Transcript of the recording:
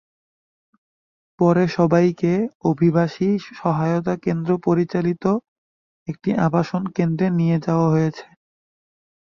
পরে সবাইকে অভিবাসী সহায়তা কেন্দ্র পরিচালিত একটি আবাসন কেন্দ্রে নিয়ে যাওয়া হয়েছে।